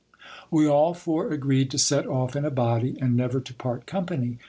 We all four agreed to set off in a body, and never to part company.